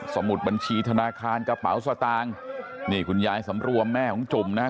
สมุดบัญชีธนาคารกระเป๋าสตางค์นี่คุณยายสำรวมแม่ของจุ่มนะฮะ